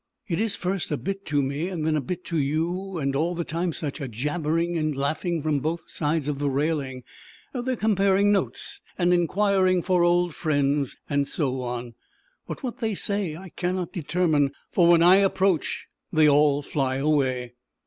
It is first a bit to me and then a bit to you, and all the time such a jabbering and laughing from both sides of the railing. They are comparing notes and inquiring for old friends, and so on; but what they say I cannot determine, for when I approach they all fly away.